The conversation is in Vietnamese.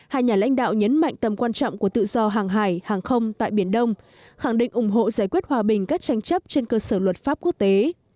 hai nhà lãnh đạo nhấn mạnh tầm quan trọng của tự do hàng hải hàng không tại biển đông khẳng định ủng hộ giải quyết hòa bình các tranh chấp trên cơ sở luật pháp quốc tế